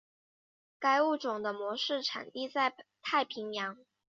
该物种的模式产地在太平洋。